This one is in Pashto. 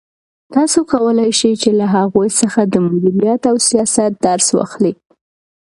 تاسو کولای شئ چې له هغوی څخه د مدیریت او سیاست درس واخلئ.